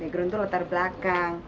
background itu latar belakang